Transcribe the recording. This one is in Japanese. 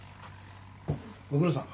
ご苦労さん。